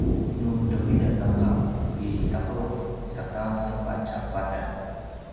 nu teveljen anga ki tapuluq saka sepatj a vatan